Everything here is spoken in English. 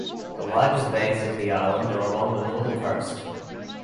The largest bays of the island are along the northern coast.